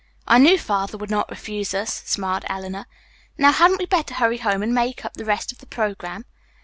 "I knew Father would not refuse us," smiled Eleanor. "Now hadn't we better hurry home and make up the rest of the programme?"